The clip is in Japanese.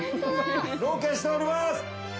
ロケしております！